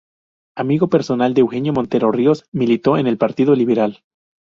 Amigo personal de Eugenio Montero Ríos, militó en el partido Liberal.